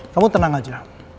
kamu tenang aja